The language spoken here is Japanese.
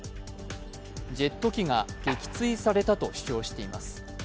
ジェット機が撃墜されたと主張しています。